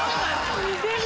似てる。